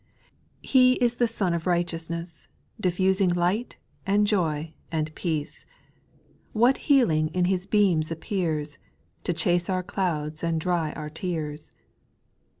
844 SPIRITUAL J^ONGS. 6. He is the Sun of righteousness, Diffusing light, and joy, and peacjo ; What heaUng in His beams appears, To chase our clouds and dry our tears